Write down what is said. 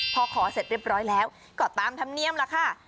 พอขอเสร็จเรียบร้อยแล้วก็ตามธรรมเนียมล่ะค่ะ